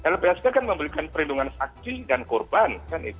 lpsk kan memberikan perlindungan saksi dan korban